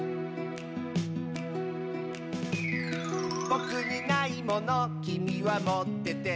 「ぼくにないものきみはもってて」